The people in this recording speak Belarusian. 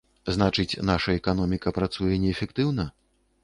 Значыць, наша эканоміка працуе неэфектыўна?